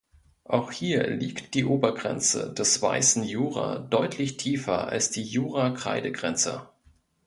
Auch hier liegt die Obergrenze des Weißen Jura deutlich tiefer als die Jura-Kreide-Grenze.